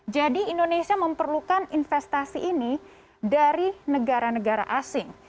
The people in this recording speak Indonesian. jadi indonesia memperlukan investasi ini dari negara negara asing